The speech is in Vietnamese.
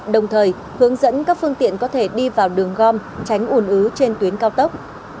đồng thời hướng dẫn các phương tiện có thể đi vào đường gom tránh ủn ứ trên tuyến cao tốc